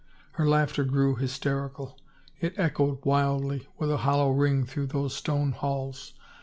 Her laughter grew hysterical; it echoed wildly with a hollow ring through those stone halls.